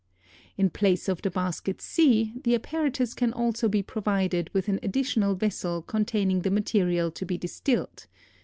] In place of the basket C the apparatus can also be provided with an additional vessel containing the material to be distilled.